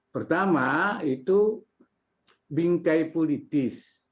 pertama itu bingkai politis